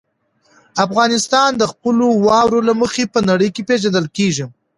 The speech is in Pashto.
افغانستان د خپلو واورو له مخې په نړۍ کې پېژندل کېږي.